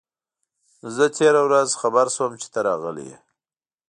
زه تېره ورځ خبر شوم چي ته راغلی یې.